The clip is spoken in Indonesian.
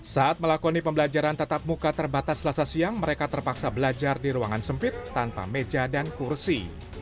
saat melakoni pembelajaran tatap muka terbatas selasa siang mereka terpaksa belajar di ruangan sempit tanpa meja dan kursi